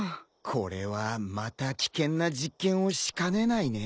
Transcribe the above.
これはまた危険な実験をしかねないね。